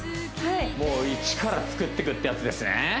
もう一から作っていくってやつですね